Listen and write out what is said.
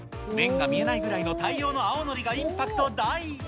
麺が見えないくらいの大量の青のりがインパクト大。